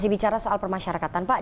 bicara soal permasyarakatan pak